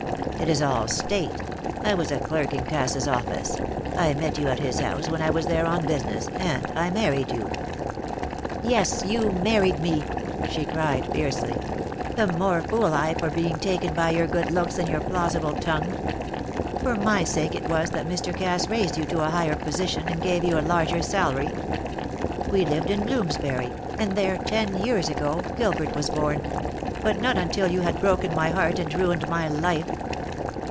"It is all state. I was a clerk in Cass's office; I met you at his house when I was there on business, and I married you " "Yes, you married me," she cried, fiercely. "The more fool I for being taken by your good looks and your plausible tongue. For my sake it was that Mr. Cass raised you to a higher position and gave you a larger salary. We lived in Bloomsbury, and there, ten years ago, Gilbert was born; but not until you had broken my heart and ruined my life."